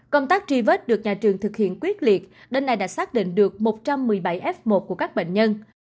công tác truy vết được nhà trường thực hiện quyết liệt đến nay đã xác định được một trăm một mươi bảy f một của các bệnh nhân